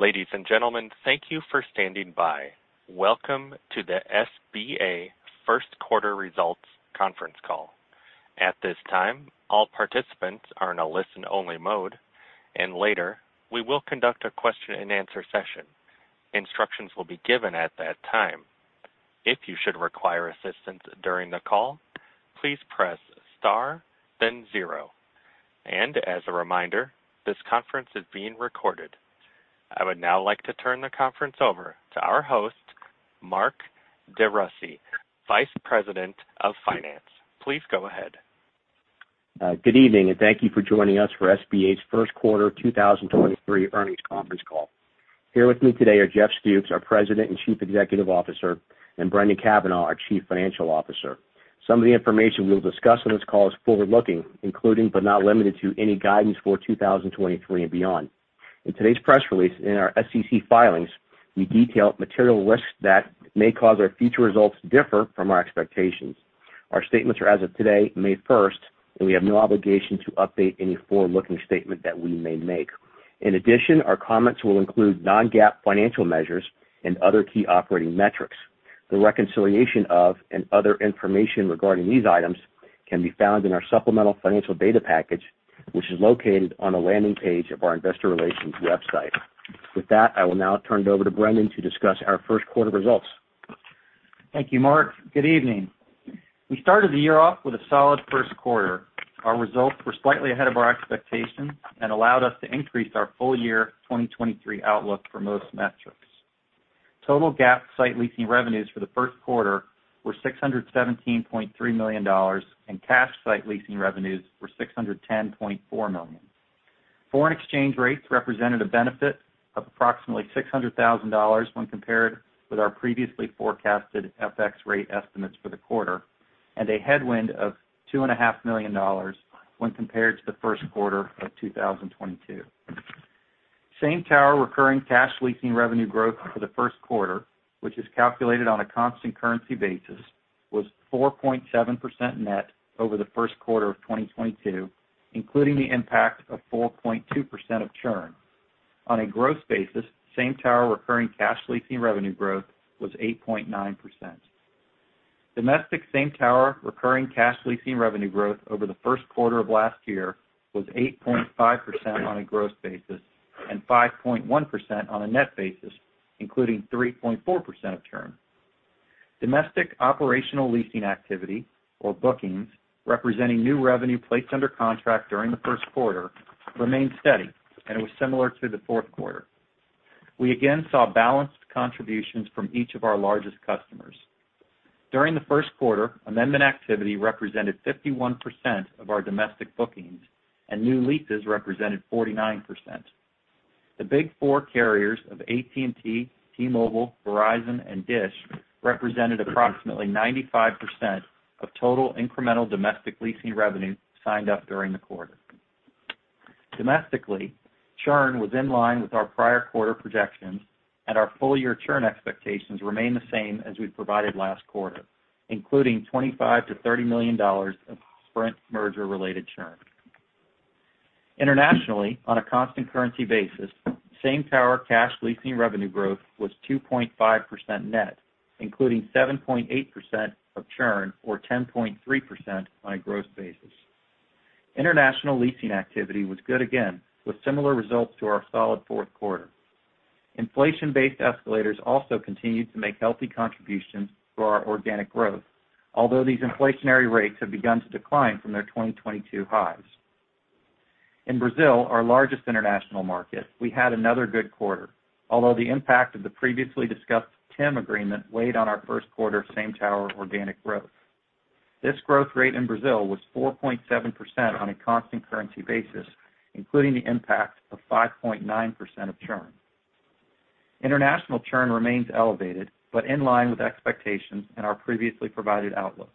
Ladies and gentlemen, thank you for standing by. Welcome to the SBA Q1 Results Conference Call. At this time, all participants are in a listen-only mode, and later we will conduct a question-and-answer session. Instructions will be given at that time. If you should require assistance during the call, please press star then zero. As a reminder, this conference is being recorded. I would now like to turn the conference over to our host, Mark DeRussy, Vice President of Finance. Please go ahead. Good evening and thank you for joining us for SBA's Q1 2023 earnings conference call. Here with me today are Jeff Stoops, our President and Chief Executive Officer, and Brendan Cavanagh, our Chief Financial Officer. Some of the information we'll discuss on this call is forward-looking, including, but not limited to, any guidance for 2023 and beyond. In today's press release, in our SEC filings, we detail material risks that may cause our future results to differ from our expectations. Our statements are as of today, May 1st, and we have no obligation to update any forward-looking statement that we may make. In addition, our comments will include non-GAAP financial measures and other key operating metrics. The reconciliation of and other information regarding these items can be found in our supplemental financial data package, which is located on the landing page of our investor relations website. With that, I will now turn it over to Brendan to discuss our Q1 results. Thank you, Mark. Good evening. We started the year off with a solid Q1. Our results were slightly ahead of our expectations and allowed us to increase our full year 2023 outlook for most metrics. Total GAAP site leasing revenues for the Q1 were $617.3 million, and cash site leasing revenues were $610.4 million. Foreign exchange rates represented a benefit of approximately $600,000 when compared with our previously forecasted FX rate estimates for the quarter, and a headwind of $2.5 million when compared to the Q1 of 2022. Same tower recurring cash leasing revenue growth for the Q1, which is calculated on a constant currency basis, was 4.7% net over the Q1 of 2022, including the impact of 4.2% of churn. On a gross basis, same tower recurring cash leasing revenue growth was 8.9%. Domestic same tower recurring cash leasing revenue growth over the Q1 of last year was 8.5% on a gross basis and 5.1% on a net basis, including 3.4% of churn. Domestic operational leasing activity or bookings, representing new revenue placed under contract during the Q1, remained steady and was similar to the Q4. We again saw balanced contributions from each of our largest customers. During the Q1, amendment activity represented 51% of our domestic bookings and new leases represented 49%. The big four carriers of AT&T, T-Mobile, Verizon, and DISH represented approximately 95% of total incremental domestic leasing revenue signed up during the quarter. Domestically, churn was in line with our prior quarter projections, and our full year churn expectations remain the same as we provided last quarter, including $25 -$30 million of Sprint merger-related churn. Internationally, on a constant currency basis, same tower cash leasing revenue growth was 2.5% net, including 7.8% of churn or 10.3% on a gross basis. International leasing activity was good again with similar results to our solid Q4. Inflation-based escalators also continued to make healthy contributions to our organic growth. Although these inflationary rates have begun to decline from their 2022 highs. In Brazil, our largest international market, we had another good quarter. Although the impact of the previously discussed TIM agreement weighed on our Q1 same tower organic growth. This growth rate in Brazil was 4.7% on a constant currency basis, including the impact of 5.9% of churn. International churn remains elevated, but in line with expectations and our previously provided outlook.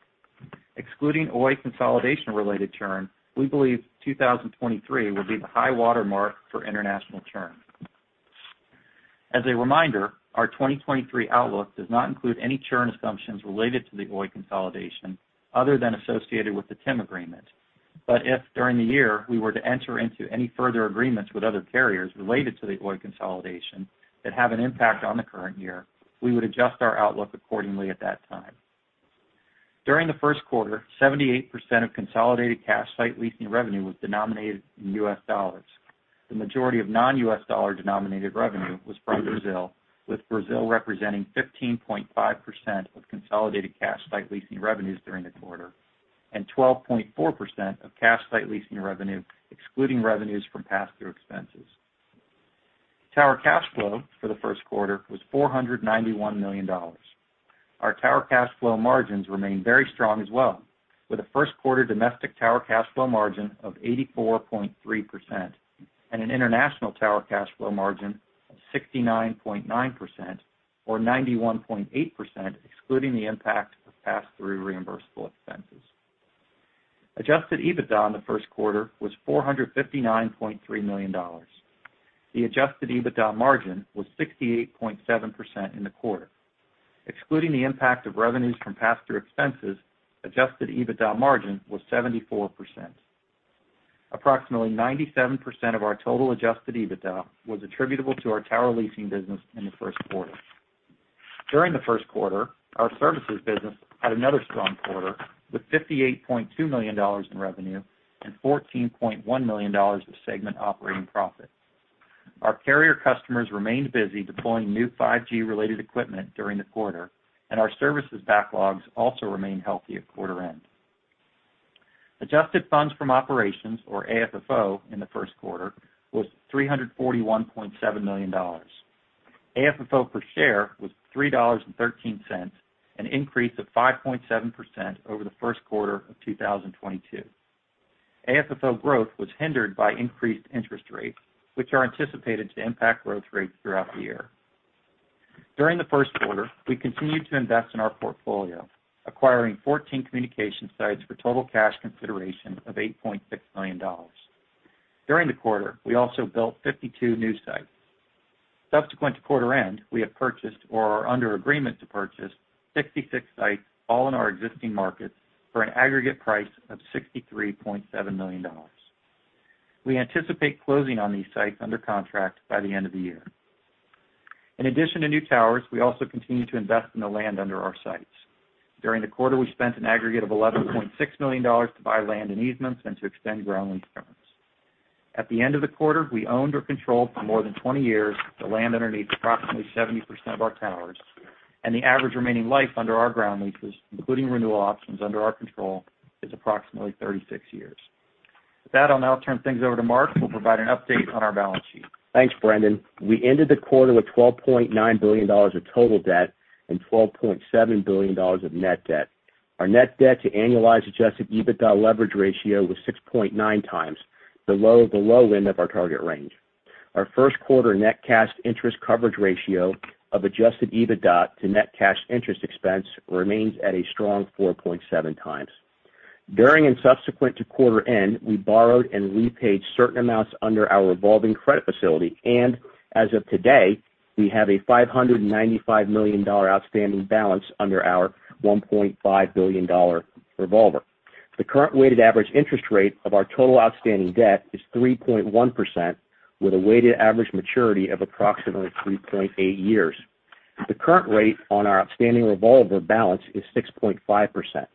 Excluding Oi consolidation related churn, we believe 2023 will be the high watermark for international churn. As a reminder, our 2023 outlook does not include any churn assumptions related to the Oi consolidation other than associated with the TIM agreement. If during the year we were to enter into any further agreements with other carriers related to the Oi consolidation that have an impact on the current year, we would adjust our outlook accordingly at that time. During the Q1, 78% of consolidated cash site leasing revenue was denominated in U.S. dollars. The majority of non-U.S. dollar-denominated revenue was from Brazil, with Brazil representing 15.5% of consolidated cash site leasing revenues during the quarter and 12.4% of cash site leasing revenue excluding revenues from pass-through expenses. Tower cash flow for the Q1 was $491 million. Our tower cash flow margins remained very strong as well, with a Q1 domestic tower cash flow margin of 84.3% and an international tower cash flow margin of 69.9% or 91.8% excluding the impact of pass-through reimbursable expenses. Adjusted EBITDA in the Q1 was $459.3 million. The adjusted EBITDA margin was 68.7% in the quarter. Excluding the impact of revenues from pass-through expenses, adjusted EBITDA margin was 74%. Approximately 97% of our total adjusted EBITDA was attributable to our tower leasing business in the Q1. During the Q1, our services business had another strong quarter with $58.2 million in revenue and $14.1 million of segment operating profit. Our carrier customers remained busy deploying new 5G related equipment during the quarter, and our services backlogs also remained healthy at quarter end. Adjusted funds from operations, or AFFO in the Q1, was $341.7 million. AFFO per share was $3.13, an increase of 5.7% over the Q1 of 2022. AFFO growth was hindered by increased interest rates, which are anticipated to impact growth rates throughout the year. During the Q1, we continued to invest in our portfolio, acquiring 14 communication sites for total cash consideration of $8.6 million. During the quarter, we also built 52 new sites. Subsequent to quarter end, we have purchased or are under agreement to purchase 66 sites, all in our existing markets, for an aggregate price of $63.7 million. We anticipate closing on these sites under contract by the end of the year. In addition to new towers, we also continue to invest in the land under our sites. During the quarter, we spent an aggregate of $11.6 million to buy land and easements and to extend ground lease terms. At the end of the quarter, we owned or controlled for more than 20 years the land underneath approximately 70% of our towers, and the average remaining life under our ground leases, including renewal options under our control, is approximately 36 years. With that, I'll now turn things over to Mark, who will provide an update on our balance sheet. Thanks, Brendan. We ended the quarter with $12.9 billion of total debt and $12.7 billion of net debt. Our net debt to annualized adjusted EBITDA leverage ratio was 6.9 times below the low end of our target range. Our Q1 net cash interest coverage ratio of adjusted EBITDA to net cash interest expense remains at a strong 4.7 times. During and subsequent to quarter end, we borrowed and repaid certain amounts under our revolving credit facility. As of today, we have a $595 million outstanding balance under our $1.5 billion revolver. The current weighted average interest rate of our total outstanding debt is 3.1%, with a weighted average maturity of approximately 3.8 years. The current rate on our outstanding revolver balance is 6.5%.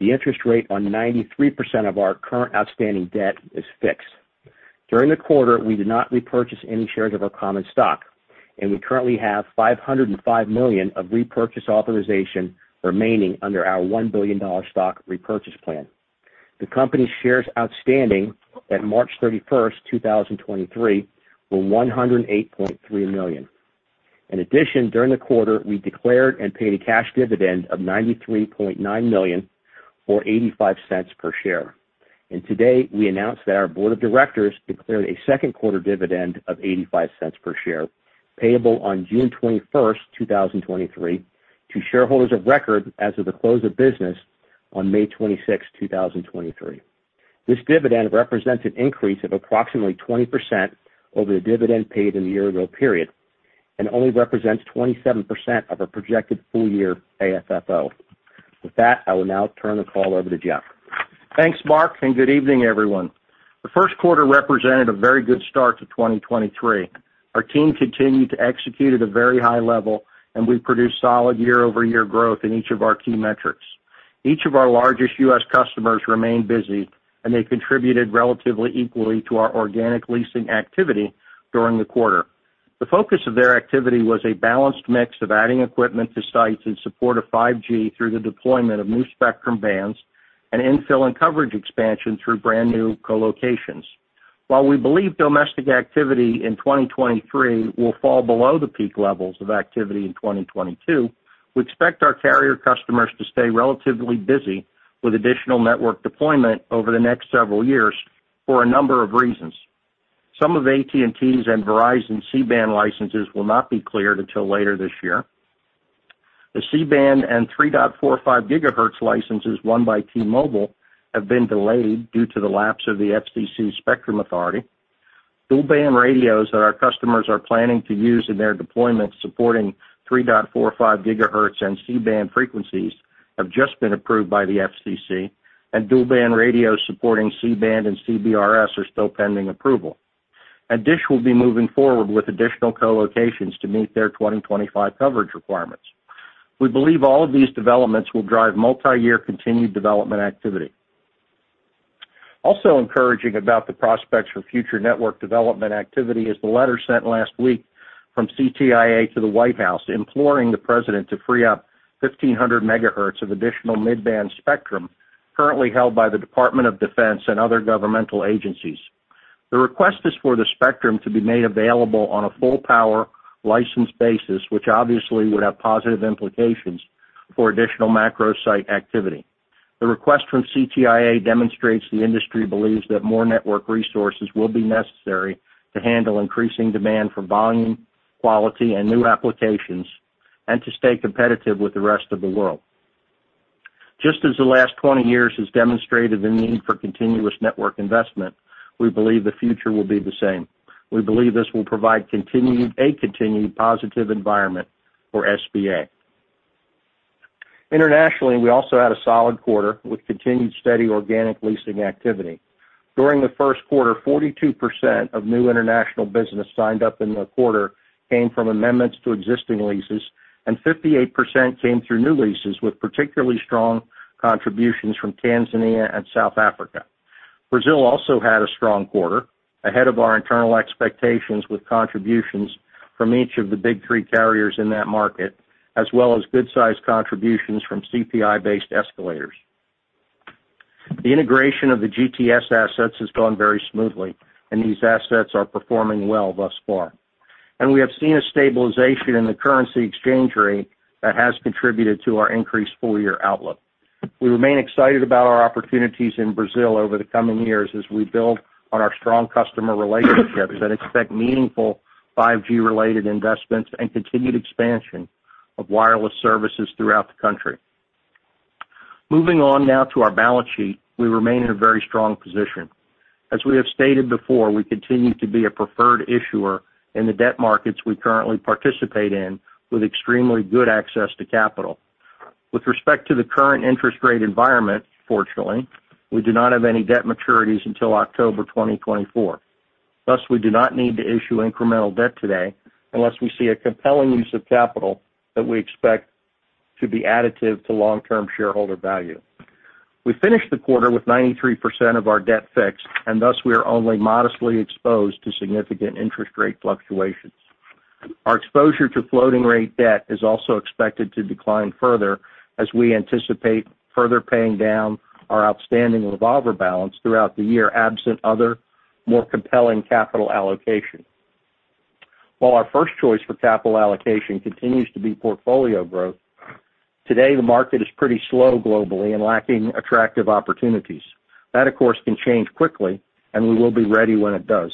The interest rate on 93% of our current outstanding debt is fixed. During the quarter, we did not repurchase any shares of our common stock, and we currently have $505 million of repurchase authorization remaining under our $1 billion stock repurchase plan. The company shares outstanding at March 31, 2023, were 108.3 million. In addition, during the quarter, we declared and paid a cash dividend of $93.9 million, or $0.85 per share. Today, we announced that our board of directors declared a Q2 dividend of $0.85 per share, payable on June 21, 2023, to shareholders of record as of the close of business on May 26, 2023. This dividend represents an increase of approximately 20% over the dividend paid in the year-ago period and only represents 27% of our projected full year AFFO. With that, I will now turn the call over to Jeff. Thanks, Mark DeRussy, and good evening, everyone. The Q1 represented a very good start to 2023. Our team continued to execute at a very high level, and we produced solid year-over-year growth in each of our key metrics. Each of our largest U.S. customers remained busy, and they contributed relatively equally to our organic leasing activity during the quarter. The focus of their activity was a balanced mix of adding equipment to sites in support of 5G through the deployment of new spectrum bands and infill and coverage expansion through brand-new co-locations. While we believe domestic activity in 2023 will fall below the peak levels of activity in 2022, we expect our carrier customers to stay relatively busy with additional network deployment over the next several years for a number of reasons. Some of AT&T and Verizon C-band licenses will not be cleared until later this year. The C-band and 3.45 GHz licenses won by T-Mobile have been delayed due to the lapse of the FCC spectrum authority. Dual-band radios that our customers are planning to use in their deployments supporting 3.45 GHz and C-band frequencies have just been approved by the FCC, and dual-band radios supporting C-band and CBRS are still pending approval. Dish will be moving forward with additional co-locations to meet their 2025 coverage requirements. We believe all of these developments will drive multiyear continued development activity. Also encouraging about the prospects for future network development activity is the letter sent last week from CTIA to the White House, imploring the President to free up 1,500 megahertz of additional mid-band spectrum currently held by the Department of Defense and other governmental agencies. The request is for the spectrum to be made available on a full power licensed basis, which obviously would have positive implications for additional macro site activity. The request from CTIA demonstrates the industry believes that more network resources will be necessary to handle increasing demand for volume, quality, and new applications, and to stay competitive with the rest of the world. Just as the last 20 years has demonstrated the need for continuous network investment, we believe the future will be the same. We believe this will provide a continued positive environment for SBA. Internationally, we also had a solid quarter with continued steady organic leasing activity. During the Q1, 42% of new international business signed up in the quarter came from amendments to existing leases, and 58% came through new leases, with particularly strong contributions from Tanzania and South Africa. Brazil also had a strong quarter, ahead of our internal expectations with contributions from each of the big three carriers in that market, as well as good-sized contributions from CPI-based escalators. The integration of the GTS assets has gone very smoothly. These assets are performing well thus far. We have seen a stabilization in the currency exchange rate that has contributed to our increased full-year outlook. We remain excited about our opportunities in Brazil over the coming years as we build on our strong customer relationships and expect meaningful 5G-related investments and continued expansion of wireless services throughout the country. Moving on now to our balance sheet, we remain in a very strong position. We have stated before, we continue to be a preferred issuer in the debt markets we currently participate in with extremely good access to capital. With respect to the current interest rate environment, fortunately, we do not have any debt maturities until October 2024. We do not need to issue incremental debt today unless we see a compelling use of capital that we expect to be additive to long-term shareholder value. We finished the quarter with 93% of our debt fixed, and thus we are only modestly exposed to significant interest rate fluctuations. Our exposure to floating rate debt is also expected to decline further as we anticipate further paying down our outstanding revolver balance throughout the year, absent other more compelling capital allocation. While our first choice for capital allocation continues to be portfolio growth, today the market is pretty slow globally and lacking attractive opportunities. That, of course, can change quickly, and we will be ready when it does.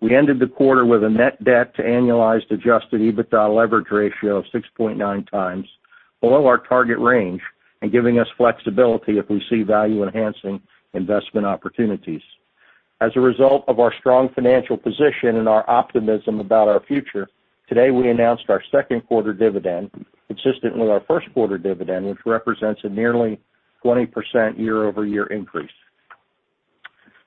We ended the quarter with a net debt to annualized adjusted EBITDA leverage ratio of 6.9 times, below our target range and giving us flexibility if we see value-enhancing investment opportunities. As a result of our strong financial position and our optimism about our future, today we announced our Q2 dividend, consistent with our Q1 dividend, which represents a nearly 20% year-over-year increase.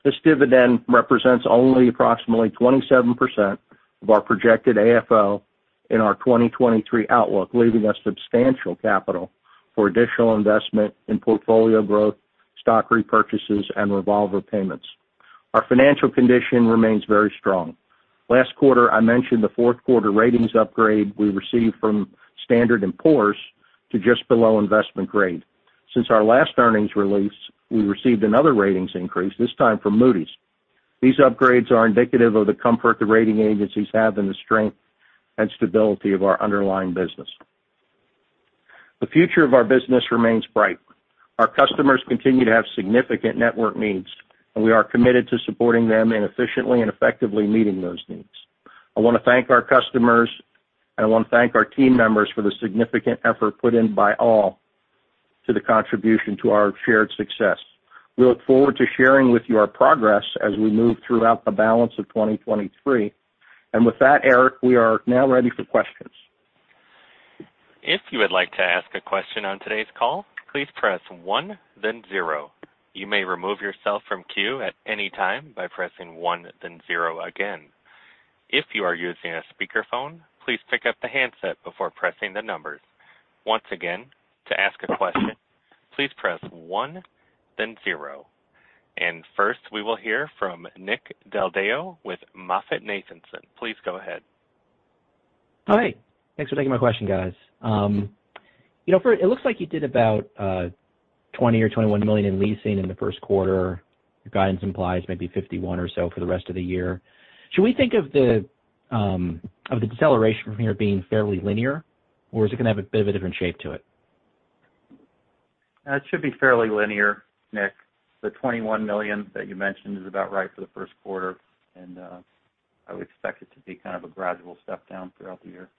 This dividend represents only approximately 27% of our projected AFFO in our 2023 outlook, leaving us substantial capital for additional investment in portfolio growth, stock repurchases, and revolver payments. Our financial condition remains very strong. Last quarter, I mentioned the Q4 ratings upgrade we received from Standard & Poor's to just below investment grade. Since our last earnings release, we received another ratings increase, this time from Moody's. These upgrades are indicative of the comfort the rating agencies have in the strength and stability of our underlying business. The future of our business remains bright. Our customers continue to have significant network needs, and we are committed to supporting them in efficiently and effectively meeting those needs. I wanna thank our customers, and I wanna thank our team members for the significant effort put in by all to the contribution to our shared success. We look forward to sharing with you our progress as we move throughout the balance of 2023. With that, Eric, we are now ready for questions. If you would like to ask a question on today's call, please press one, then zero. You may remove yourself from queue at any time by pressing one, then zero again. If you are using a speakerphone, please pick up the handset before pressing the numbers. Once again, to ask a question, please press one, then zero. First, we will hear from Nick Del Deo with MoffettNathanson. Please go ahead. Hi. Thanks for taking my question, guys. You know, it looks like you did about $20 million or $21 million in leasing in the Q1. Your guidance implies maybe $51 or so for the rest of the year. Should we think of the deceleration from here being fairly linear, or is it gonna have a bit of a different shape to it? It should be fairly linear, Nick. The $21 million that you mentioned is about right for the Q1, and, I would expect it to be kind of a gradual step down throughout the year.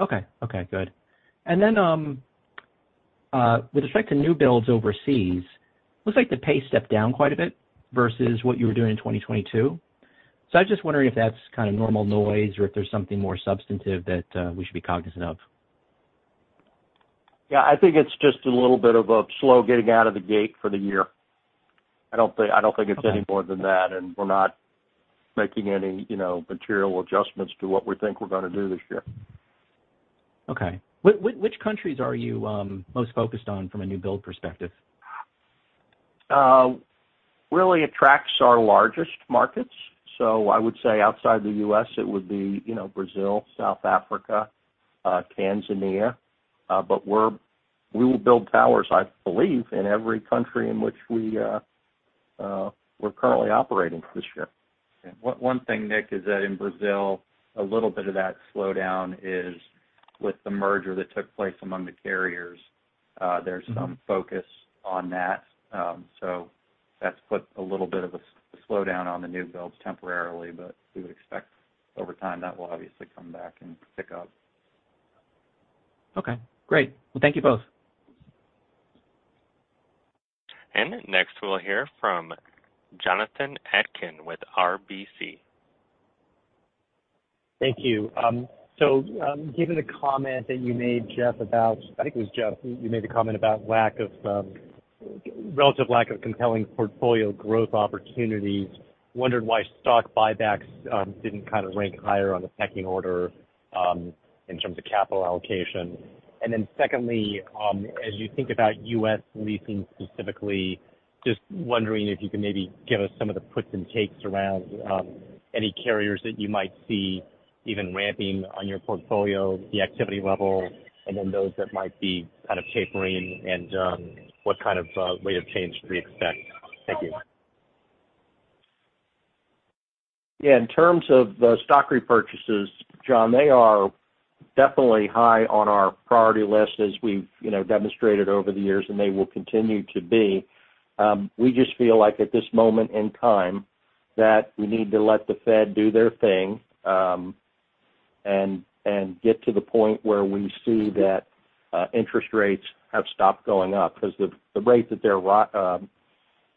Okay. Okay, good. With respect to new builds overseas, looks like the pace stepped down quite a bit versus what you were doing in 2022. I'm just wondering if that's kind of normal noise or if there's something more substantive that we should be cognizant of. Yeah, I think it's just a little bit of a slow getting out of the gate for the year. I don't think it's any more than that. We're not making any, you know, material adjustments to what we think we're gonna do this year. Okay. Which countries are you most focused on from a new build perspective? Really, it tracks our largest markets. I would say outside the U.S., it would be, you know, Brazil, South Africa, Tanzania. But we will build towers, I believe, in every country in which we're currently operating this year. Yeah. One thing, Nick, is that in Brazil, a little bit of that slowdown is with the merger that took place among the carriers. There's some focus on that. That's put a little bit of a slowdown on the new builds temporarily, but we would expect over time that will obviously come back and pick up. Okay, great. Well, thank you both. Next, we'll hear from Jonathan Atkin with RBC. Thank you. Given the comment that you made, Jeff, about, I think it was Jeff, you made the comment about lack of, relative lack of compelling portfolio growth opportunities. Wondered why stock buybacks didn't kind of rank higher on the pecking order, in terms of capital allocation. Secondly, as you think about U.S. leasing specifically, just wondering if you can maybe give us some of the puts and takes around, any carriers that you might see even ramping on your portfolio, the activity level, and then those that might be kind of tapering and, what kind of, rate of change should we expect? Thank you. Yeah. In terms of the stock repurchases, John, they are definitely high on our priority list as we've, you know, demonstrated over the years, and they will continue to be. We just feel like at this moment in time that we need to let the Fed do their thing, and get to the point where we see that interest rates have stopped going up. The rate that they're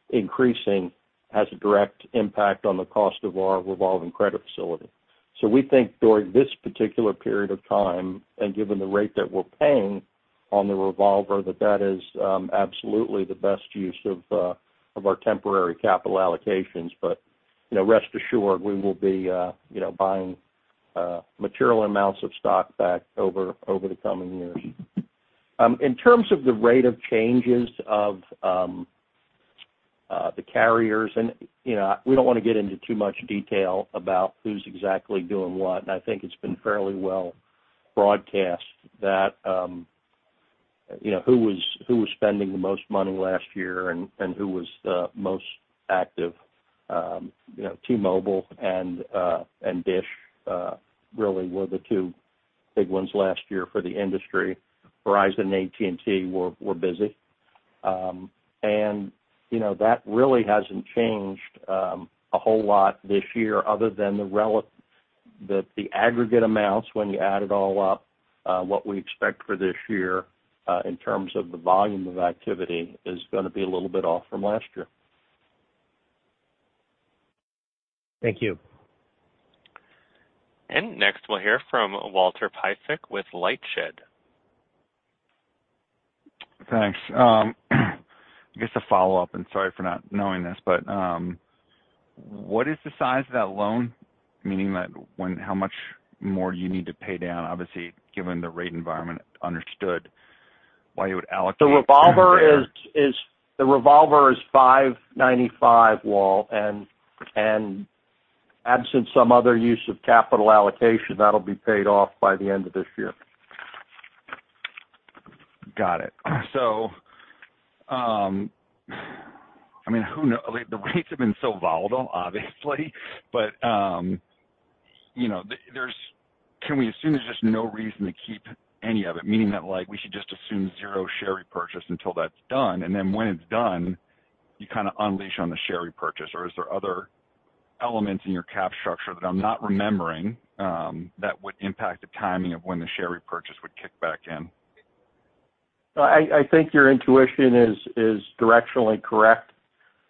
increasing has a direct impact on the cost of our revolving credit facility. We think during this particular period of time, and given the rate that we're paying on the revolver, that that is absolutely the best use of our temporary capital allocations. You know, rest assured, we will be, you know, buying material amounts of stock back over the coming years. In terms of the rate of changes of the carriers and, you know, we don't wanna get into too much detail about who's exactly doing what. I think it's been fairly well broadcast that, you know, who was spending the most money last year and who was the most active. You know, T-Mobile and Dish really were the two big ones last year for the industry. Verizon and AT&T were busy. You know, that really hasn't changed a whole lot this year other than that the aggregate amounts, when you add it all up, what we expect for this year, in terms of the volume of activity, is gonna be a little bit off from last year. Thank you. Next, we'll hear from Walt Piecyk with LightShed. Thanks. I guess a follow-up, and sorry for not knowing this, but, what is the size of that loan? Meaning like how much more you need to pay down, obviously, given the rate environment, understood why you would allocate- The revolver is the revolver is $595, Walt Piecyk, and absent some other use of capital allocation, that'll be paid off by the end of this year. Got it. I mean, The rates have been so volatile, obviously. You know, can we assume there's just no reason to keep any of it? Meaning that, like, we should just assume 0 share repurchase until that's done, and then when it's done, you kind of unleash on the share repurchase, or is there other elements in your capital structure that I'm not remembering, that would impact the timing of when the share repurchase would kick back in? I think your intuition is directionally correct.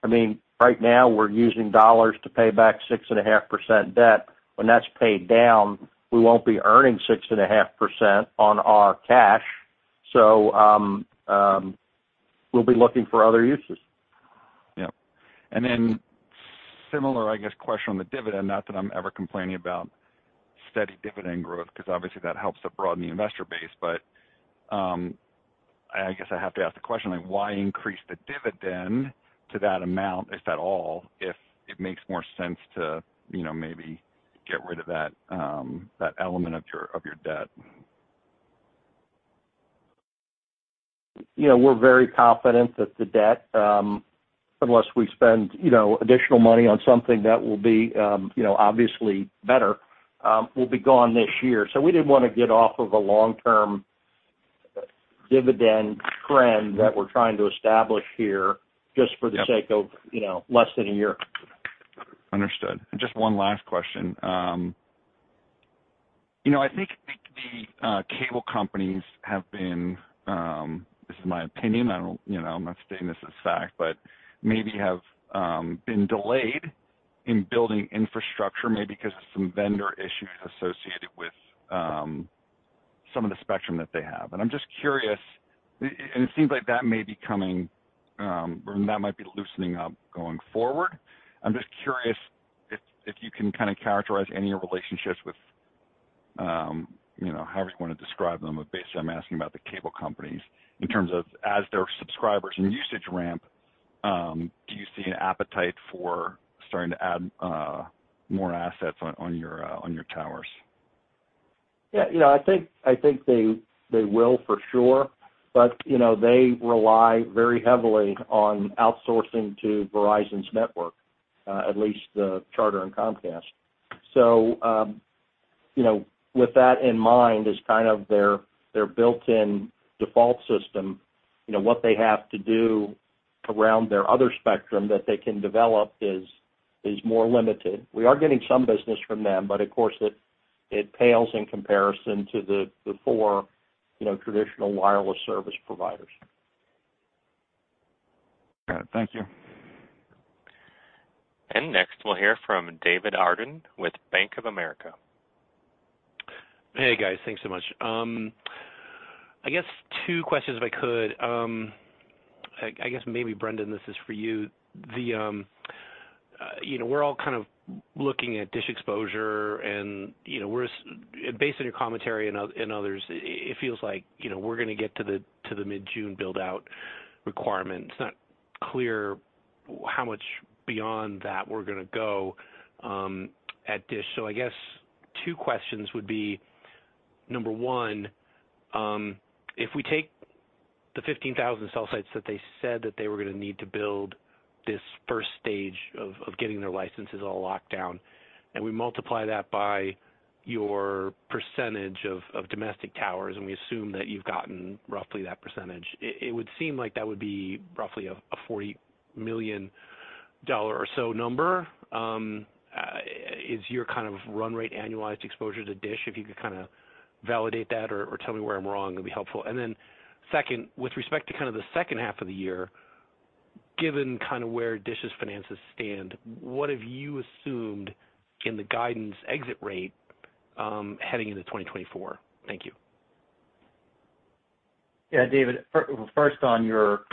I mean, right now, we're using dollars to pay back 6.5% debt. When that's paid down, we won't be earning 6.5% on our cash, so we'll be looking for other uses. Yep. Similar, I guess, question on the dividend, not that I'm ever complaining about steady dividend growth, because obviously, that helps to broaden the investor base. I guess I have to ask the question, like, why increase the dividend to that amount, if at all, if it makes more sense to, you know, maybe get rid of that element of your, of your debt? You know, we're very confident that the debt, unless we spend, you know, additional money on something that will be, you know, obviously better, will be gone this year. We didn't wanna get off of a long-term dividend trend that we're trying to establish here just for the sake of, you know, less than a year. Understood. Just one last question. You know, I think the cable companies have been, this is my opinion, I don't, you know, I'm not stating this as fact, but maybe have been delayed in building infrastructure, maybe because of some vendor issues associated with some of the spectrum that they have. I'm just curious, and it seems like that may be coming, or that might be loosening up going forward. I'm just curious if you can kind of characterize any relationships with, you know, however you wanna describe them, but basically, I'm asking about the cable companies in terms of as their subscribers and usage ramp, do you see an appetite for starting to add more assets on your, on your towers? Yeah, you know, I think, I think they will for sure. You know, they rely very heavily on outsourcing to Verizon's network, at least the Charter and Comcast. You know, with that in mind as kind of their built-in default system, you know, what they have to do around their other spectrum that they can develop is more limited. We are getting some business from them, but of course it pales in comparison to the 4, you know, traditional wireless service providers. Got it. Thank you. Next, we'll hear from David Barden with Bank of America. Hey, guys. Thanks so much. I guess two questions if I could. I guess maybe, Brendan, this is for you. The, you know, we're all kind of looking at DISH exposure and, you know, we're based on your commentary and others, it feels like, you know, we're gonna get to the, to the mid-June build-out requirement. It's not clear how much beyond that we're gonna go at DISH. I guess two questions would be, number one, if we take the 15,000 cell sites that they said that they were gonna need to build this first stage of getting their licenses all locked down, and we multiply that by your percentage of domestic towers, and we assume that you've gotten roughly that percentage, it would seem like that would be roughly a $40 million or so number. Is your kind of run rate annualized exposure to DISH, if you could kinda validate that or tell me where I'm wrong, it'd be helpful. Second, with respect to kind of the H2 of the year, given kinda where DISH's finances stand, what have you assumed in the guidance exit rate, heading into 2024? Thank you. Yeah, David, first on your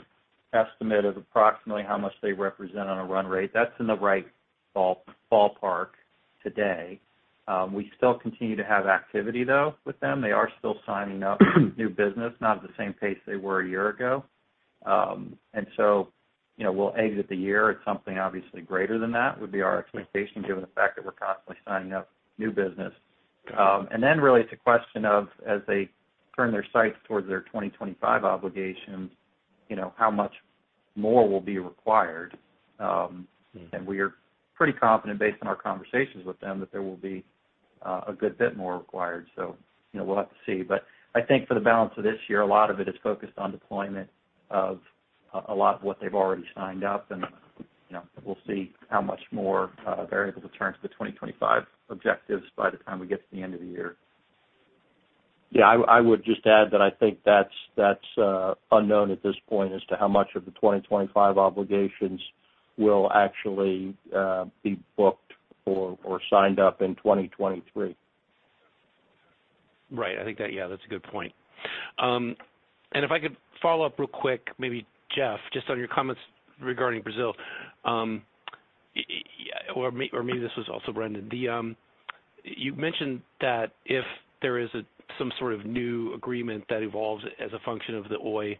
estimate of approximately how much they represent on a run rate. That's in the right ballpark today. We still continue to have activity though with them. They are still signing up new business, not at the same pace they were a year ago. You know, we'll exit the year at something obviously greater than that, would be our expectation, given the fact that we're constantly signing up new business. Got it. Really it's a question of, as they turn their sights towards their 2025 obligation, you know, how much more will be required. We are pretty confident based on our conversations with them, that there will be a good bit more required. You know, we'll have to see. I think for the balance of this year, a lot of it is focused on deployment of a lot of what they've already signed up and, you know, we'll see how much more they're able to turn to the 2025 objectives by the time we get to the end of the year. Yeah. I would just add that I think that's unknown at this point as to how much of the 2025 obligations will actually be booked or signed up in 2023. Right. I think that, yeah, that's a good point. If I could follow up real quick, maybe Jeff, just on your comments regarding Brazil, or maybe this was also Brendan. The, you mentioned that if there is a, some sort of new agreement that evolves as a function of the Oi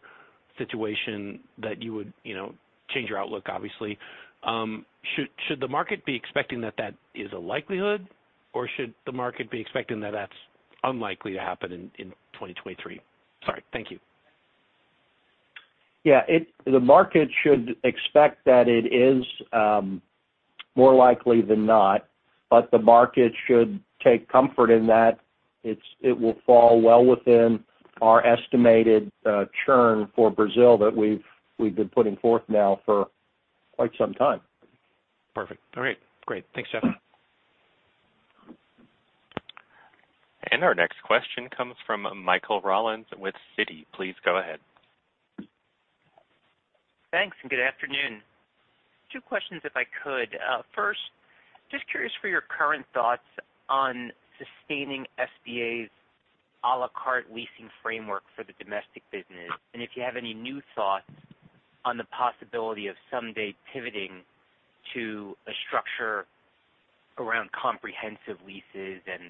situation, that you would, you know, change your outlook, obviously. Should the market be expecting that that is a likelihood, or should the market be expecting that that's unlikely to happen in 2023? Sorry. Thank you. Yeah. The market should expect that it is, more likely than not, but the market should take comfort in that it's, it will fall well within our estimated churn for Brazil that we've been putting forth now for quite some time. Perfect. All right. Great. Thanks, Jeff. Our next question comes from Michael Rollins with Citi. Please go ahead. Thanks, and good afternoon. Two questions if I could. First, just curious for your current thoughts on sustaining SBA's à la carte leasing framework for the domestic business, and if you have any new thoughts on the possibility of someday pivoting to a structure around comprehensive leases and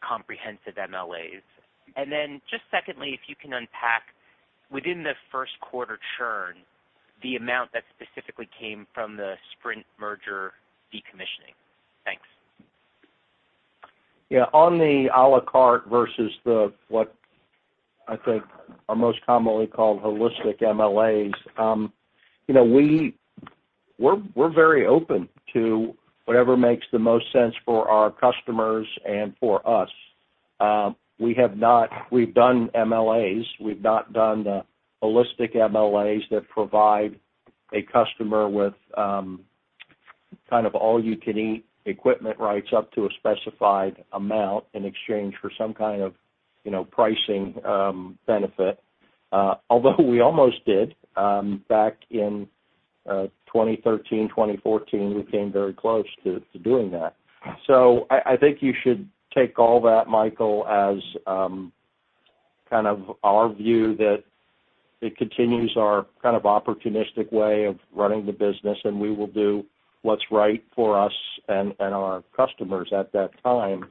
comprehensive MLAs. Then just secondly, if you can unpack within the Q1 churn, the amount that specifically came from the Sprint merger decommissioning. Thanks. Yeah. On the à la carte versus the what I think are most commonly called holistic MLAs, you know, we're very open to whatever makes the most sense for our customers and for us. We've done MLAs. We've not done the holistic MLAs that provide a customer with kind of all you can eat equipment rights up to a specified amount in exchange for some kind of, you know, pricing benefit. Although we almost did, back in 2013, 2014, we came very close to doing that. I think you should take all that, Michael, as kind of our view that it continues our kind of opportunistic way of running the business, and we will do what's right for us and our customers at that time,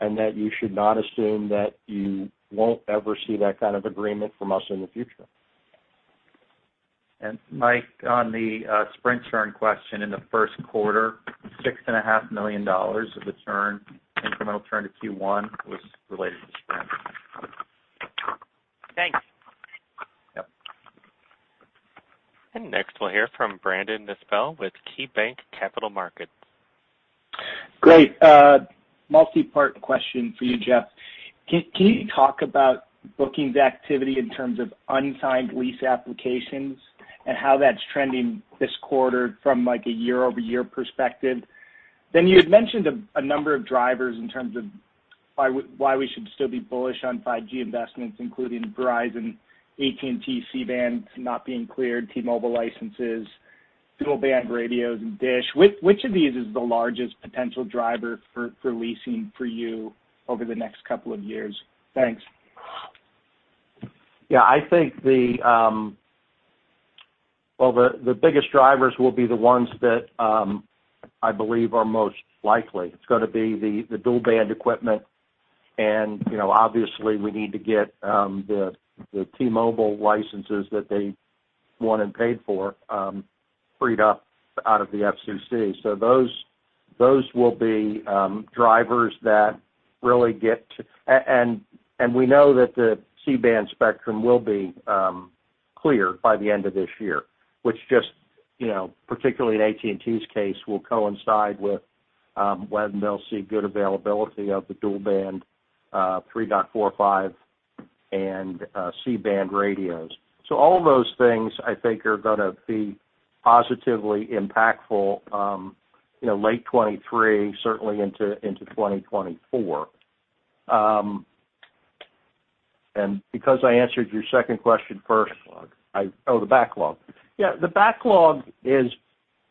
and that you should not assume that you won't ever see that kind of agreement from us in the future. Mike, on the Sprint churn question in the Q1, six and a half million dollars of the churn, incremental churn to Q1, was related to Sprint. Thanks. Next, we'll hear from Brandon Nispel with KeyBanc Capital Markets. Great. Multi-part question for you, Jeff. Can you talk about bookings activity in terms of unsigned lease applications and how that's trending this quarter from, like, a year-over-year perspective? You had mentioned a number of drivers in terms of why we should still be bullish on 5G investments, including Verizon, AT&T C-band not being cleared, T-Mobile licenses, dual-band radios, and DISH. Which of these is the largest potential driver for leasing for you over the next couple of years? Thanks. Yeah, I think the. Well, the biggest drivers will be the ones that I believe are most likely. It's gonna be the dual band equipment and, you know, obviously, we need to get the T-Mobile licenses that they want and paid for, freed up out of the FCC. Those will be drivers that really get to. And we know that the C-band spectrum will be clear by the end of this year, which just, you know, particularly in AT&T's case, will coincide with when they'll see good availability of the dual band 3.45 and C-band radios. All of those things, I think, are gonna be positively impactful, you know, late 2023, certainly into 2024. Because I answered your second question first- Backlog. Oh, the backlog. Yeah, the backlog is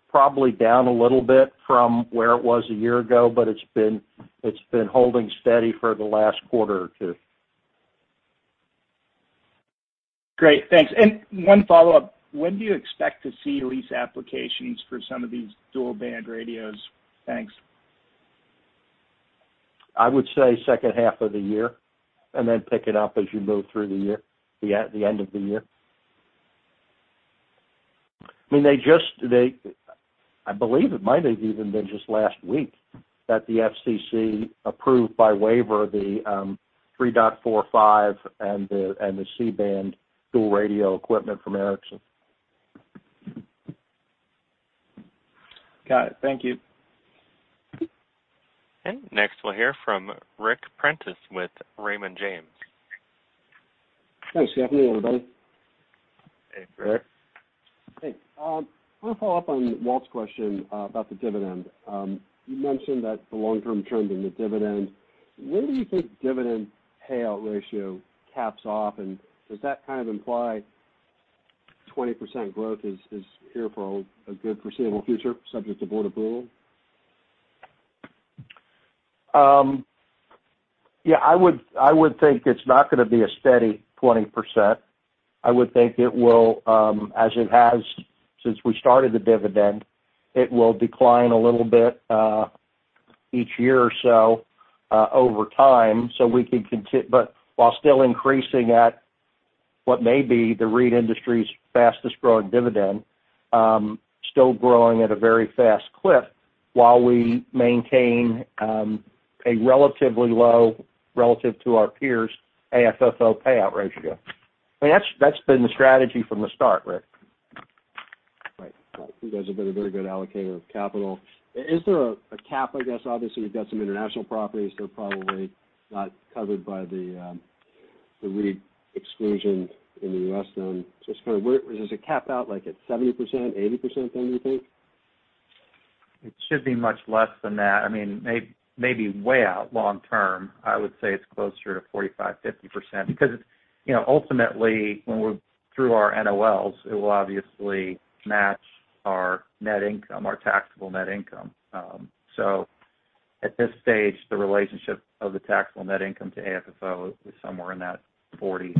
probably down a little bit from where it was a year ago, but it's been holding steady for the last quarter or two. Great. Thanks. One follow-up. When do you expect to see lease applications for some of these dual-band radios? Thanks. I would say H2 of the year, and then pick it up as you move through the year, the end of the year. I mean, they just I believe it might have even been just last week that the FCC approved by waiver the 3.45 and the C-band dual radio equipment from Ericsson. Got it. Thank you. Next, we'll hear from Ric Prentiss with Raymond James. Thanks, Jeff. Morning, everybody. Hey, Ric. Hey. I wanna follow up on Walt's question about the dividend. You mentioned that the long-term trend in the dividend. Where do you think dividend payout ratio caps off, and does that kind of imply 20% growth is here for a good foreseeable future, subject to board approval? Yeah, I would think it's not gonna be a steady 20%. I would think it will, as it has since we started the dividend, it will decline a little bit each year or so over time, so while still increasing at what may be the REIT industry's fastest growing dividend, still growing at a very fast clip while we maintain a relatively low relative to our peers AFFO payout ratio. I mean, that's been the strategy from the start, Ric. Right. You guys have been a very good allocator of capital. Is there a cap, I guess? Obviously, you've got some international properties that are probably not covered by the the REIT exclusion in the US then. Is there a cap out, like at 70%, 80% then, do you think? It should be much less than that. I mean, maybe way out long term, I would say it's closer to 45%-50%. You know, ultimately, when we're through our NOLs, it will obviously match our net income, our taxable net income. At this stage, the relationship of the taxable net income to AFFO is somewhere in that 40%-50%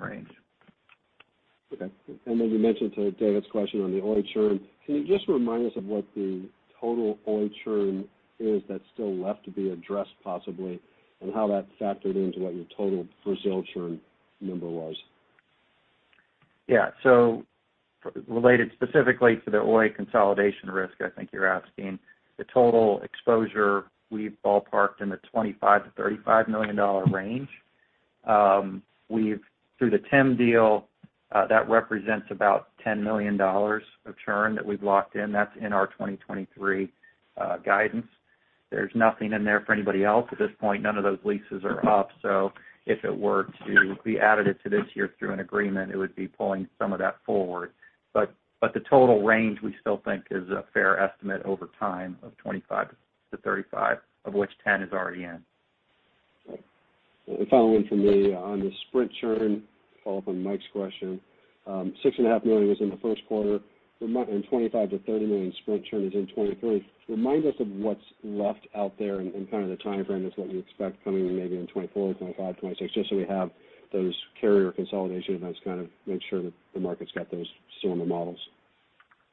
range. Okay. Then you mentioned to David's question on the Oi churn. Can you just remind us of what the total Oi churn is that's still left to be addressed possibly, and how that factored into what your total Brazil churn number was? Re-related specifically to the Oi consolidation risk, I think you're asking, the total exposure we've ballparked in the $25 -$35 million range. we've Through the TIM deal, that represents about $10 million of churn that we've locked in. That's in our 2023 guidance. There's nothing in there for anybody else. At this point, none of those leases are up, so if it were to be added to this year through an agreement, it would be pulling some of that forward. But the total range, we still think is a fair estimate over time of $25 -$35 million, of which $10 million is already in. Right. A follow on from me on the Sprint churn, follow up on Mike's question. $6.5 million was in the Q1. $25-$30 million Sprint churn is in 2023. Remind us of what's left out there and kind of the timeframe as what you expect coming in maybe in 2024, 2025, 2026, just so we have those carrier consolidation events, kind of make sure that the market's got those similar models.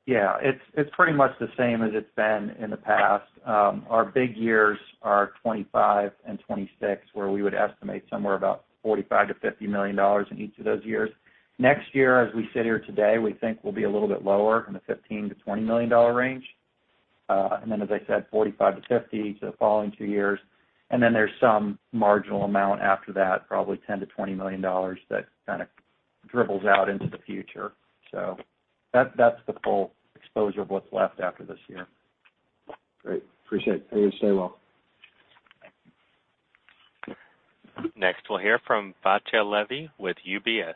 Yeah. It's pretty much the same as it's been in the past. Our big years are 2025 and 2026, where we would estimate somewhere about $45-$50 million in each of those years. Next year, as we sit here today, we think we'll be a little bit lower in the $15-$20 million range. Then as I said, $45 -$50 million to the following two years. Then there's some marginal amount after that, probably $10 -$20 million that kind of dribbles out into the future. So that's the full exposure of what's left after this year. Great. Appreciate it. Thank you, stay well. Next, we'll hear from Batya Levi with UBS.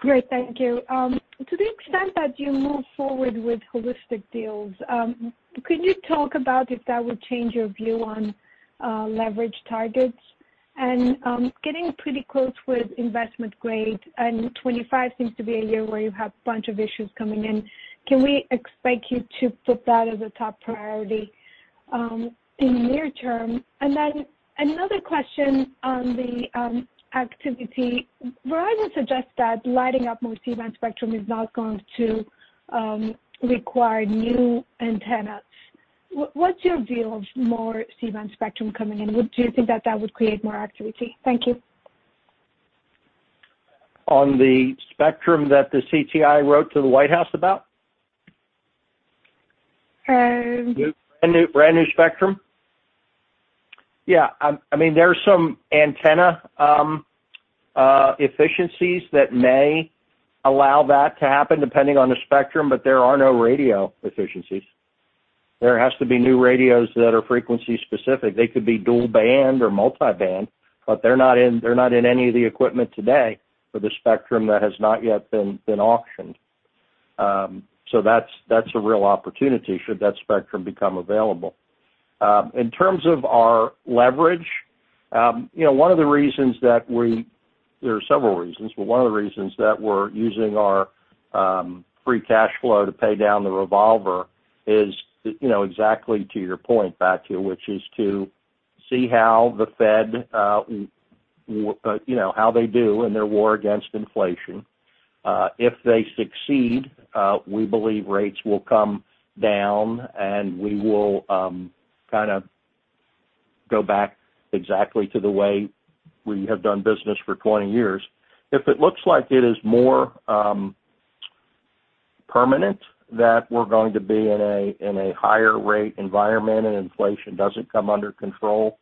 Great. Thank you. To the extent that you move forward with holistic deals, could you talk about if that would change your view on leverage targets? Getting pretty close with investment grade, and 25 seems to be a year where you have a bunch of issues coming in. Can we expect you to put that as a top priority in the near term? Another question on the activity. Verizon suggests that lighting up more C-band spectrum is not going to require new antennas. What's your view of more C-band spectrum coming in? Would you think that that would create more activity? Thank you. On the spectrum that the CTIA wrote to the White House about? Um- A new, brand-new spectrum? Yeah, I mean, there's some antenna efficiencies that may allow that to happen depending on the spectrum, but there are no radio efficiencies. There has to be new radios that are frequency specific. They could be dual-band or multi-band, but they're not in any of the equipment today for the spectrum that has not yet been auctioned. That's a real opportunity should that spectrum become available. In terms of our leverage, you know, one of the reasons that there are several reasons, but one of the reasons that we're using our free cash flow to pay down the revolver is, you know, exactly to your point, Batya, which is to see how the Fed, you know, how they do in their war against inflation. If they succeed, we believe rates will come down, and we will kind of go back exactly to the way we have done business for 20 years. If it looks like it is more permanent that we're going to be in a higher rate environment and inflation doesn't come under control,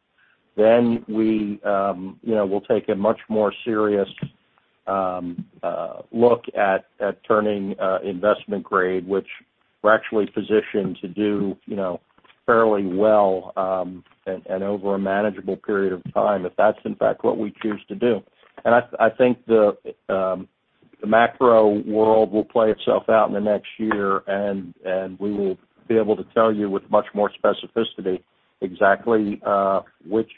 then we, you know, we'll take a much more serious look at turning investment grade, which we're actually positioned to do, you know, fairly well, and over a manageable period of time, if that's in fact what we choose to do. I think the macro world will play itself out in the next year, and we will be able to tell you with much more specificity exactly which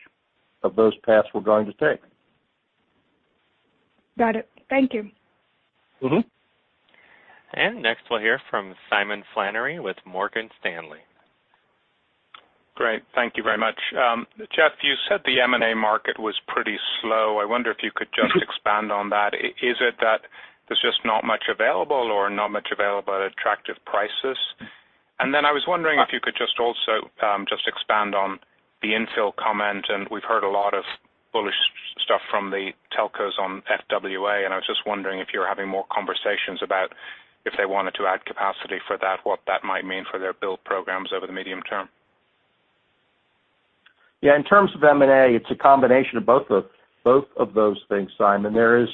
of those paths we're going to take. Got it. Thank you. Mm-hmm. Next, we'll hear from Simon Flannery with Morgan Stanley. Great. Thank you very much. Jeff, you said the M&A market was pretty slow. I wonder if you could just expand on that. Is it that there's just not much available or not much available at attractive prices? I was wondering if you could just also just expand on the infill comment. We've heard a lot of bullish stuff from the telcos on FWA, and I was just wondering if you're having more conversations about if they wanted to add capacity for that, what that might mean for their build programs over the medium term. Yeah. In terms of M&A, it's a combination of both of those things, Simon. There's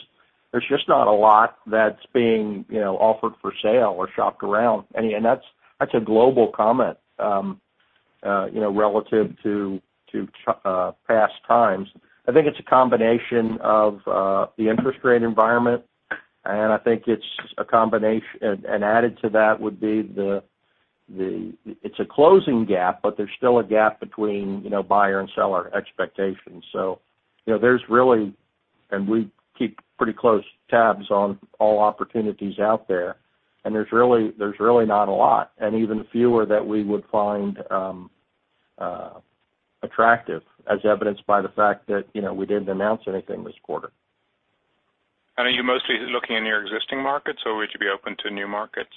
just not a lot that's being, you know, offered for sale or shopped around. That's a global comment, you know, relative to past times. I think it's a combination of the interest rate environment, added to that would be the closing gap, but there's still a gap between, you know, buyer and seller expectations. You know, there's really, and we keep pretty close tabs on all opportunities out there's really not a lot, and even fewer that we would find attractive as evidenced by the fact that, you know, we didn't announce anything this quarter. Are you mostly looking in your existing markets, or would you be open to new markets?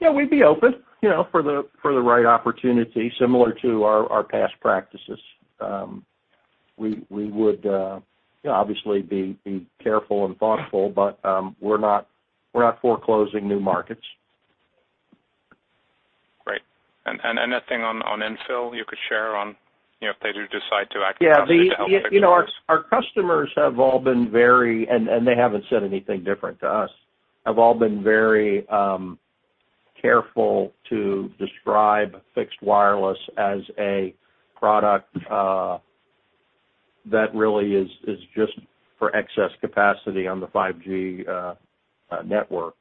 Yeah, we'd be open, you know, for the right opportunity, similar to our past practices. We would, you know, obviously be careful and thoughtful, but we're not foreclosing new markets. Great. Anything on infill you could share on, you know, if they do decide to add capacity to help their peers? Yeah. The, you know, our customers have all been very, and they haven't said anything different to us, have all been very careful to describe fixed wireless as a product that really is just for excess capacity on the 5G network.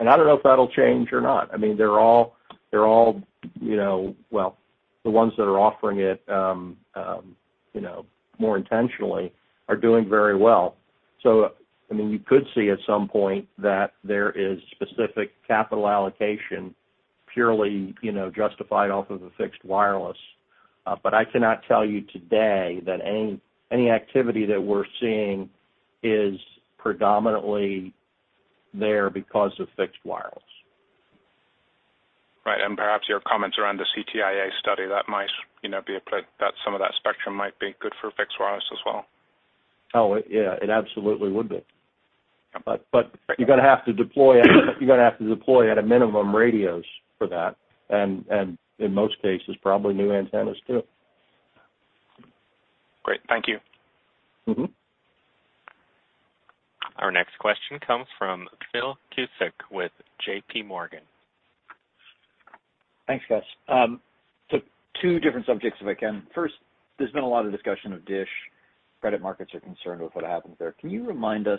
I don't know if that'll change or not. I mean, they're all, you know. Well, the ones that are offering it, you know, more intentionally are doing very well. I mean, you could see at some point that there is specific capital allocation purely, you know, justified off of a fixed wireless. I cannot tell you today that any activity that we're seeing is predominantly there because of fixed wireless. Right. Perhaps your comments around the CTIA study, that might, you know, be applied, that some of that spectrum might be good for fixed wireless as well. Oh, yeah, it absolutely would be. You're gonna have to deploy at a minimum radios for that and in most cases, probably new antennas too. Great. Thank you. Mm-hmm. Our next question comes from Phil Cusick with J.P. Morgan. Thanks, guys. Two different subjects, if I can. First, there's been a lot of discussion of DISH. Credit markets are concerned with what happens there. Can you remind us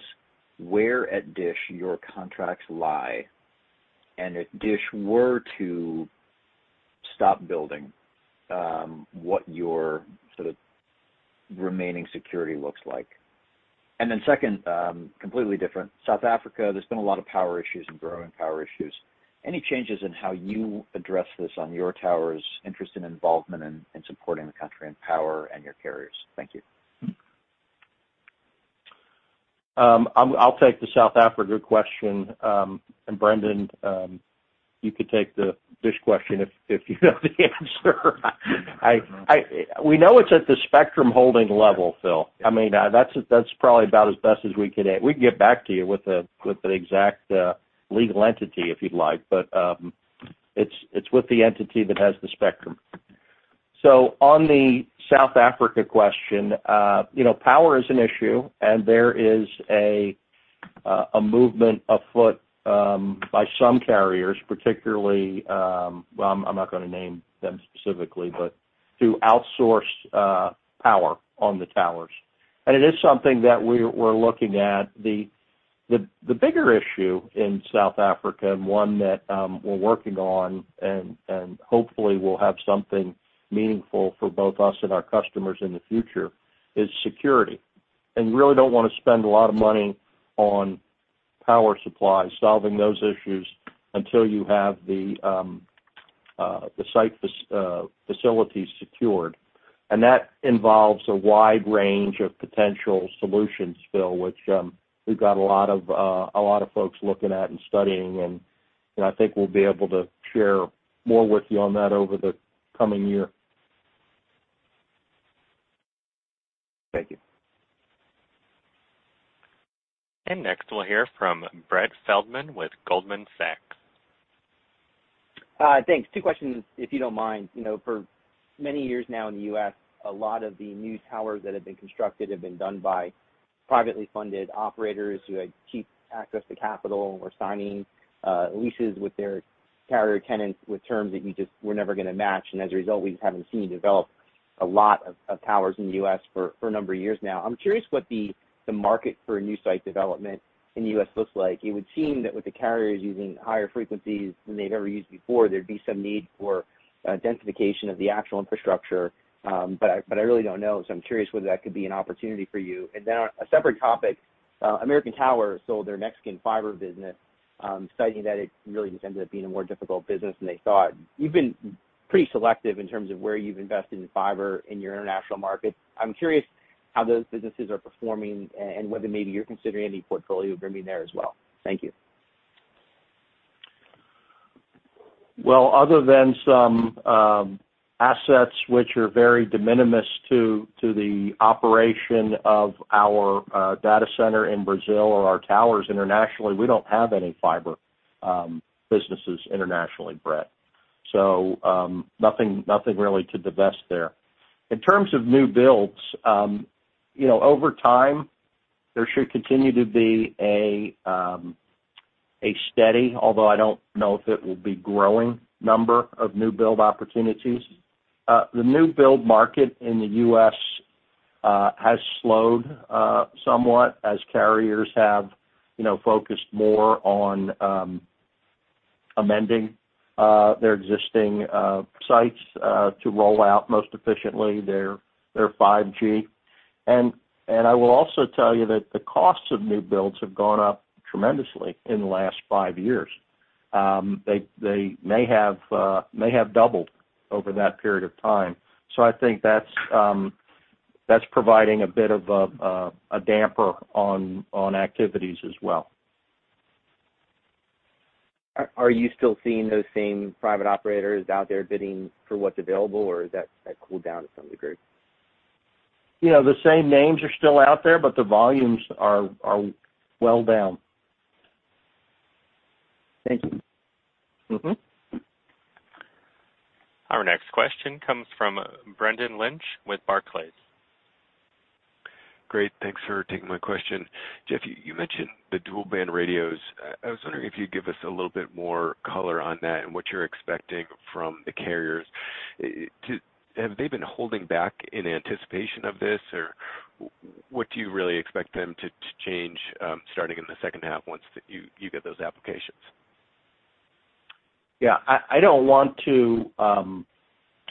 where at DISH your contracts lie? If DISH were to stop building, what your sort of remaining security looks like. Second, completely different. South Africa, there's been a lot of power issues and growing power issues. Any changes in how you address this on your towers interest and involvement in supporting the country and power and your carriers? Thank you. I'll take the South Africa question. Brendan, you could take the DISH question if you know the answer. We know it's at the spectrum holding level, Phil. I mean, that's probably about as best as we could. We can get back to you with the exact legal entity, if you'd like. It's with the entity that has the spectrum. On the South Africa question, you know, power is an issue, and there is a movement afoot by some carriers, particularly, well, I'm not gonna name them specifically, but to outsource power on the towers. It is something that we're looking at. The bigger issue in South Africa and one that we're working on and hopefully will have something meaningful for both us and our customers in the future is security. You really don't wanna spend a lot of money on power supplies, solving those issues until you have the site facilities secured. That involves a wide range of potential solutions, Phil, which we've got a lot of folks looking at and studying. I think we'll be able to share more with you on that over the coming year. Thank you. Next, we'll hear from Brett Feldman with Goldman Sachs. Thanks. Two questions, if you don't mind. You know, for many years now in the U.S., a lot of the new towers that have been constructed have been done by privately funded operators who had cheap access to capital or signing leases with their carrier tenants with terms that you just were never gonna match. As a result, we just haven't seen you develop a lot of towers in the U.S. for a number of years now. I'm curious what the market for new site development in the U.S. looks like. It would seem that with the carriers using higher frequencies than they've ever used before, there'd be some need for densification of the actual infrastructure. But I really don't know. I'm curious whether that could be an opportunity for you. On a separate topic, American Tower sold their Mexican fiber business, citing that it really just ended up being a more difficult business than they thought. You've been pretty selective in terms of where you've invested in fiber in your international markets. I'm curious how those businesses are performing and whether maybe you're considering any portfolio trimming there as well. Thank you. Other than some assets which are very de minimis to the operation of our data center in Brazil or our towers internationally, we don't have any fiber businesses internationally, Brett Feldman. Nothing, nothing really to divest there. In terms of new builds, you know, over time, there should continue to be a steady, although I don't know if it will be growing, number of new build opportunities. The new build market in the U.S. has slowed somewhat as carriers have, you know, focused more on amending their existing sites to roll out most efficiently their 5G. I will also tell you that the costs of new builds have gone up tremendously in the last five years. They, they may have doubled over that period of time. I think that's providing a bit of a damper on activities as well. Are you still seeing those same private operators out there bidding for what's available, or has that cooled down to some degree? You know, the same names are still out there, but the volumes are well down. Thank you. Mm-hmm. Our next question comes from Brendan Lynch with Barclays. Great. Thanks for taking my question. Jeff, you mentioned the dual-band radios. I was wondering if you'd give us a little bit more color on that and what you're expecting from the carriers. Have they been holding back in anticipation of this, or what do you really expect them to change starting in the H2 once you get those applications? Yeah. I don't want to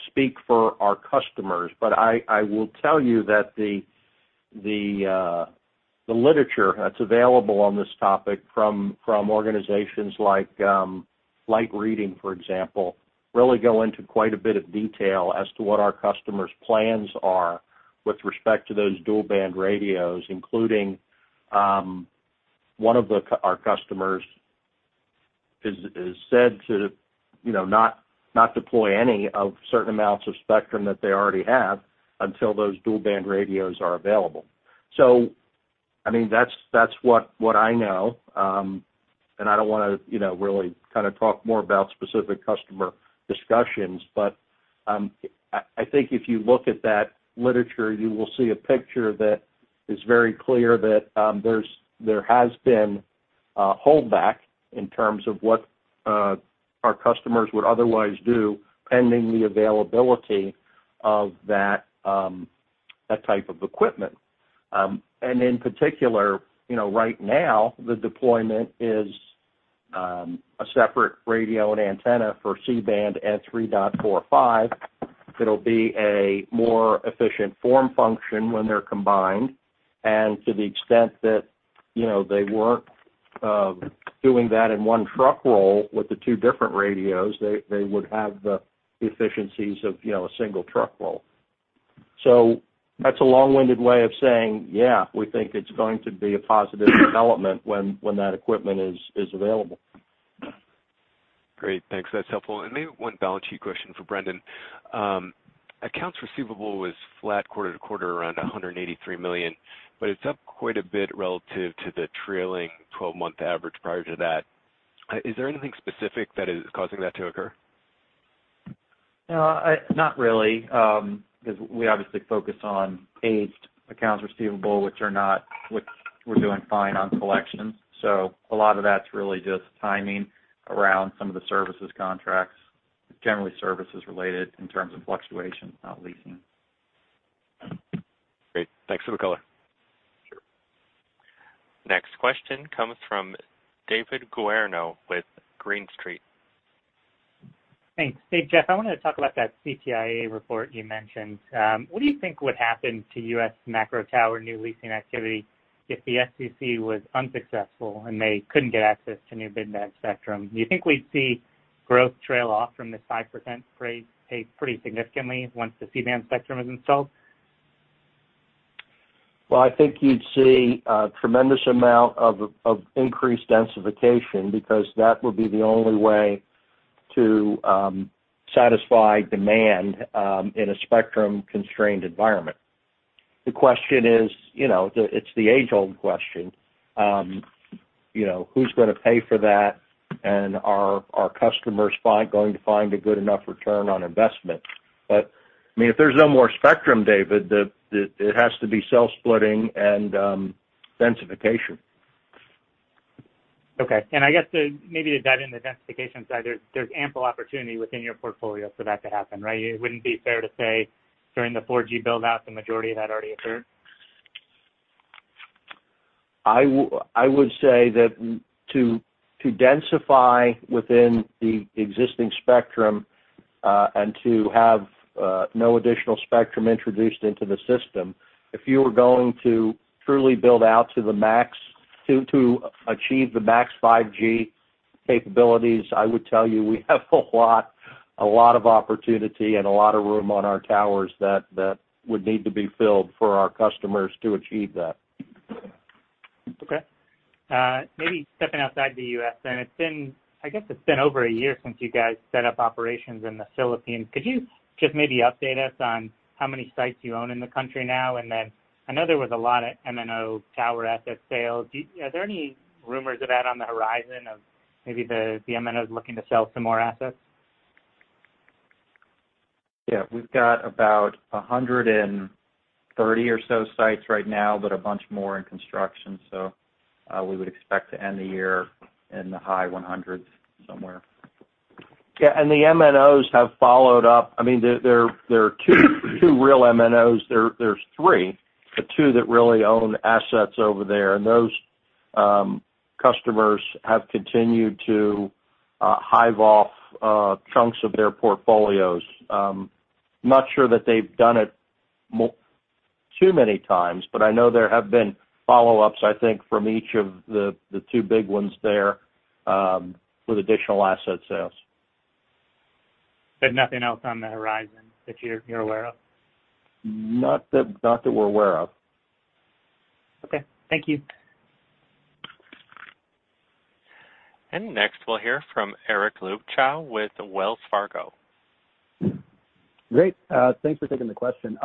speak for our customers, but I will tell you that the literature that's available on this topic from organizations like Light Reading, for example, really go into quite a bit of detail as to what our customers' plans are with respect to those dual-band radios, including one of our customers is said to, you know, not deploy any of certain amounts of spectrum that they already have until those dual-band radios are available. I mean, that's what I know. I don't wanna, you know, really kinda talk more about specific customer discussions. I think if you look at that literature, you will see a picture that is very clear that there has been a holdback in terms of what our customers would otherwise do pending the availability of that type of equipment. And in particular, you know, right now, the deployment is a separate radio and antenna for C-band and 3.45. It'll be a more efficient form function when they're combined. And to the extent that, you know, they weren't doing that in one truck roll with the two different radios, they would have the efficiencies of, you know, a single truck roll. That's a long-winded way of saying, yeah, we think it's going to be a positive development when that equipment is available. Great. Thanks. That's helpful. Maybe one balance sheet question for Brendan. Accounts receivable was flat quarter to quarter around $183 million, but it's up quite a bit relative to the trailing 12-month average prior to that. Is there anything specific that is causing that to occur? No, not really. 'Cause we obviously focus on aged accounts receivable, which we're doing fine on collections. A lot of that's really just timing around some of the services contracts, generally services related in terms of fluctuation, not leasing. Great. Thanks for the color. Sure. Next question comes from David Guarino with Green Street. Thanks. Hey, Jeff, I wanna talk about that CTIA report you mentioned. What do you think would happen to U.S. macro tower new leasing activity if the FCC was unsuccessful and they couldn't get access to new mid-band spectrum? Do you think we'd see growth trail off from this 5% rate pace pretty significantly once the C-band spectrum is installed? Well, I think you'd see a tremendous amount of increased densification because that would be the only way to satisfy demand in a spectrum-constrained environment. The question is, you know, it's the age-old question. You know, who's gonna pay for that? Are our customers going to find a good enough return on investment? I mean, if there's no more spectrum, David, it has to be cell splitting and densification. Okay. I guess, maybe diving into the densification side, there's ample opportunity within your portfolio for that to happen, right? It wouldn't be fair to say during the 4G build-out, the majority of that already occurred? I would say that to densify within the existing spectrum, and to have no additional spectrum introduced into the system, if you were going to truly build out to the max to achieve the max 5G capabilities, I would tell you we have a lot of opportunity and a lot of room on our towers that would need to be filled for our customers to achieve that. Maybe stepping outside the U.S. then. I guess it's been over a year since you guys set up operations in the Philippines. Could you just maybe update us on how many sites you own in the country now? I know there was a lot of MNO tower asset sales. Are there any rumors of that on the horizon of maybe the MNOs looking to sell some more assets? Yeah. We've got about 130 or so sites right now, but a bunch more in construction. We would expect to end the year in the high 100s somewhere. Yeah, the MNOs have followed up. I mean, there are two real MNOs there. There's three, but two that really own assets over there. Those customers have continued to hive off chunks of their portfolios. I'm not sure that they've done it too many times, but I know there have been follow-ups, I think, from each of the two big ones there, with additional asset sales. nothing else on the horizon that you're aware of? Not that, not that we're aware of. Okay. Thank you. Next, we'll hear from Eric Luebchow with Wells Fargo. Great. Thanks for taking the question.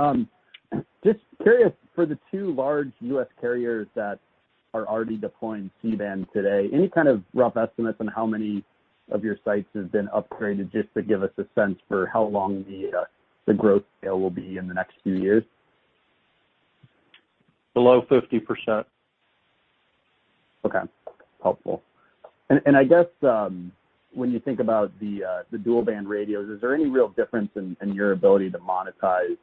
Just curious for the 2 large U.S. carriers that are already deploying C-band today, any kind of rough estimates on how many of your sites have been upgraded, just to give us a sense for how long the growth scale will be in the next few years? Below 50%. Okay. Helpful. I guess, when you think about the dual-band radios, is there any real difference in your ability to monetize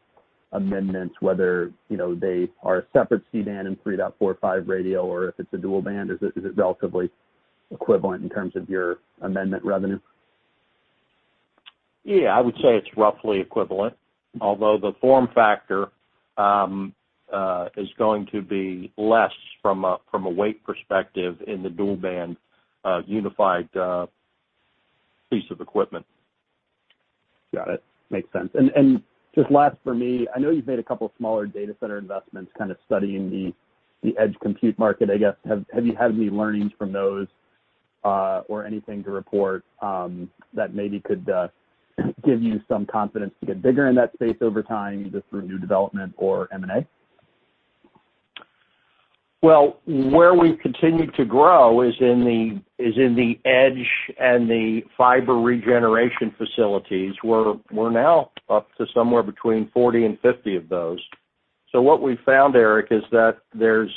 amendments, whether, you know, they are a separate C-band and 3.45 radio or if it's a dual-band? Is it relatively equivalent in terms of your amendment revenue? Yeah, I would say it's roughly equivalent. Although the form factor, is going to be less from a weight perspective in the dual-band, unified, piece of equipment. Got it. Makes sense. Just last for me, I know you've made a couple of smaller data center investments kind of studying the edge compute market, I guess. Have you had any learnings from those or anything to report that maybe could give you some confidence to get bigger in that space over time, just through new development or M&A? Where we've continued to grow is in the edge and the fiber regeneration facilities. We're now up to somewhere between 40 and 50 of those. What we've found, Eric, is that there's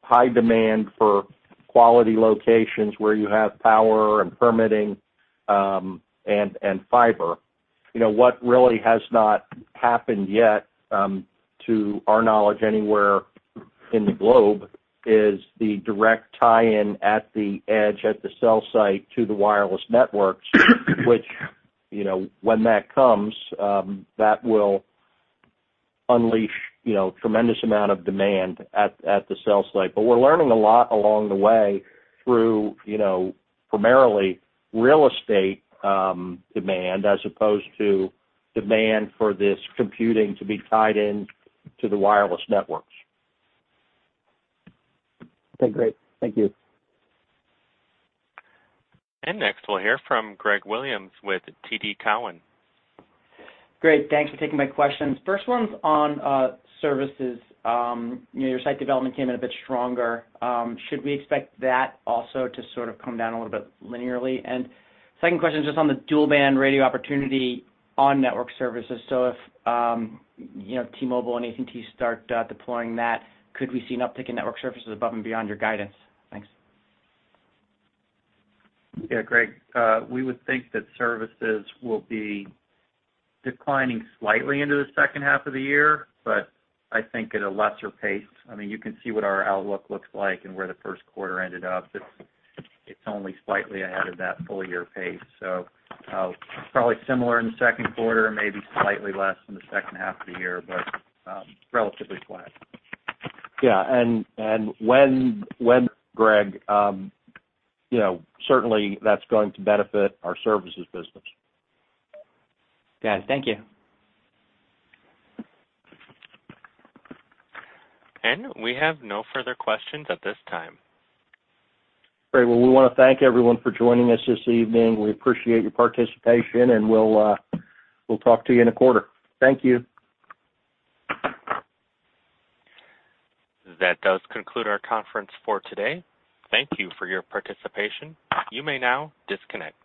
high demand for quality locations where you have power and permitting, and fiber. You know, what really has not happened yet, to our knowledge anywhere in the globe, is the direct tie-in at the edge, at the cell site to the wireless networks, which, you know, when that comes, that will unleash, you know, tremendous amount of demand at the cell site. We're learning a lot along the way through, you know, primarily real estate, demand as opposed to demand for this computing to be tied in to the wireless networks. Okay, great. Thank you. Next, we'll hear from Greg Williams with TD Cowen. Great. Thanks for taking my questions. First one's on services. You know, your site development came in a bit stronger. Should we expect that also to sort of come down a little bit linearly? Second question is just on the dual-band radio opportunity on network services. If, you know, T-Mobile and AT&T start deploying that, could we see an uptick in network services above and beyond your guidance? Thanks. Greg, we would think that services will be declining slightly into the H2 of the year, but I think at a lesser pace. I mean, you can see what our outlook looks like and where the Q1 ended up. It's only slightly ahead of that full-year pace. Probably similar in the Q2, maybe slightly less in the H2 of the year, but relatively flat. Yeah. When, Greg, you know, certainly that's going to benefit our services business. Got it. Thank you. We have no further questions at this time. Great. Well, we wanna thank everyone for joining us this evening. We appreciate your participation, and we'll talk to you in a quarter. Thank you. That does conclude our conference for today. Thank you for your participation. You may now disconnect.